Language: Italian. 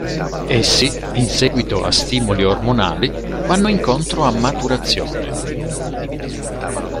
Essi, in seguito a stimoli ormonali, vanno incontro a maturazione.